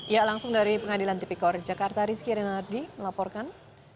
ya langsung dari pengadilan tipikor jakarta rizky renardi melaporkan